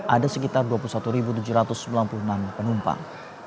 ada sekitar dua puluh satu tujuh ratus sembilan puluh enam penumpang